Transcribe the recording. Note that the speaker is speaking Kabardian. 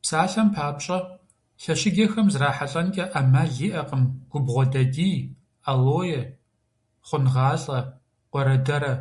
Псалъэм папщӏэ, лъэщыджэхэм зрахьэлӏэнкӏэ ӏэмал иӏэкъым губгъуэдадий, алоэ, хъунгъалӏэ, къуэрэдэрэ.